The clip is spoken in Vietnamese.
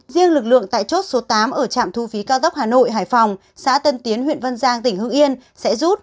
riêng lực lượng tại chốt số tám ở trạm thu phí cao tốc hà nội hải phòng xã tân tiến huyện văn giang tỉnh hưng yên sẽ rút